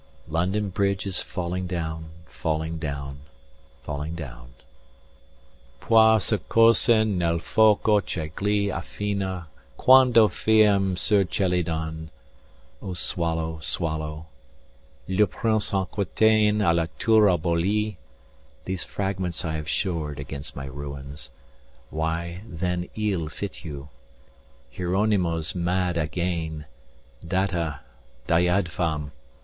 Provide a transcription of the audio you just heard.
425 London Bridge is falling down falling down falling down Poi s'ascose nel foco che gli affina Quando fiam ceu chelidon—O swallow swallow Le Prince d'Aquitaine à la tour abolie These fragments I have shored against my ruins 430 Why then Ile fit you. Hieronymo's mad againe. Datta. Dayadhvam.